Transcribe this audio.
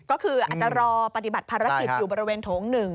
ก็คืออาจจะรอปฏิบัติภารกิจอยู่บริเวณโถง๑